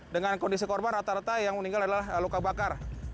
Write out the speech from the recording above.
dengan kondisi korban rata rata yang meninggal adalah luka bakar